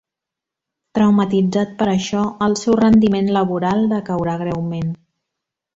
Traumatitzat per això, el seu rendiment laboral decaurà greument.